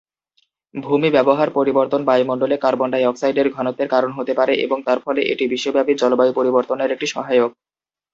ভূমি ব্যবহার পরিবর্তন বায়ুমন্ডলে কার্বন ডাই-অক্সাইড ঘনত্বের কারণ হতে পারে এবং তার ফলে এটি বিশ্বব্যাপী জলবায়ু পরিবর্তনের একটি সহায়ক।